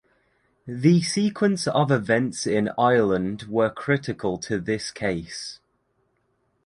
The sequence of events in Ireland were critical to this case.